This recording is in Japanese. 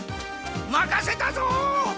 まかせたぞ！